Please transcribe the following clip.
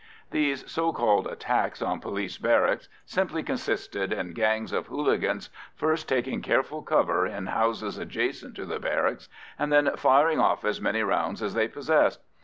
These so called attacks on police barracks simply consisted in gangs of hooligans first taking careful cover in houses adjacent to the barracks, and then firing off as many rounds as they possessed.